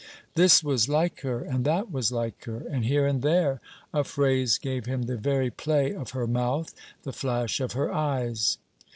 This was like her, and that was like her, and here and there a phrase gave him the very play of her mouth, the flash of her eyes.